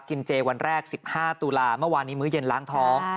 กินเจวันแรก๑๕ตุลาเมื่อวานนี้มื้อเย็นล้างท้อง